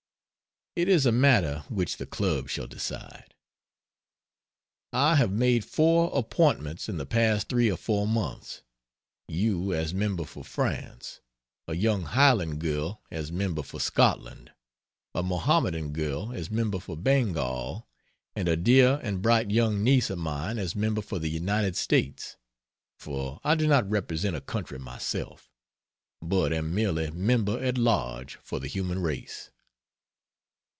It is a matter which the Club shall decide. I have made four appointments in the past three or four months: You as Member for France, a young Highland girl as Member for Scotland, a Mohammedan girl as Member for Bengal, and a dear and bright young niece of mine as Member for the United States for I do not represent a country myself, but am merely Member at Large for the Human Race.